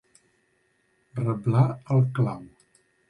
Reblar el clau.